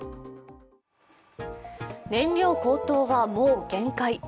燃料高騰はもう限界。